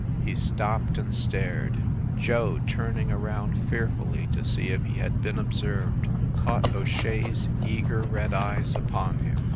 He stopped and stared. Joe, turning around fearfully to see if he had been observed, caught O Shea s eager red eyes upon him.